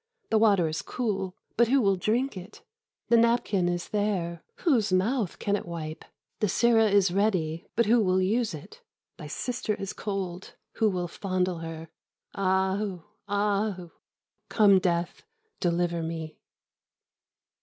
The water is cool, but who will drink it? The napkin is there, whose mouth can it wipe? The sireh is ready, but who will use it? Thy Sister is cold, who will fondle her? Ah hu! ah hu! come death, deliver me.